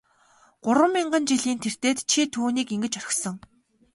Гурван мянган жилийн тэртээд чи түүнийг ингэж орхисон.